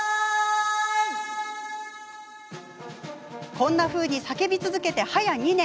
こんなふうに叫び続けて早２年。